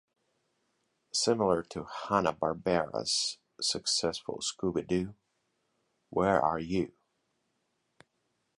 Similar to Hanna-Barbera's successful Scooby-Doo, Where Are You!